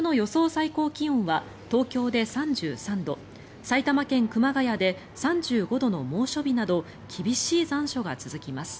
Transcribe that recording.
最高気温は東京で３３度埼玉県熊谷で３５度の猛暑日など厳しい残暑が続きます。